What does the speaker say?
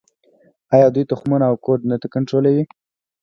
آیا دوی تخمونه او کود نه کنټرولوي؟